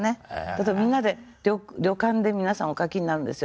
例えばみんなで旅館で皆さんお書きになるんですよ。